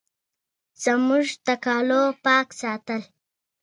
پرون په دښته کې ټکه لوېدلې وه.